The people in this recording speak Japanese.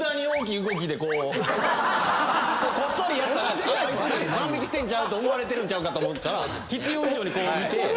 こっそりやったらあいつ万引してんちゃう？って思われてるんちゃうかと思うから必要以上にこう見て。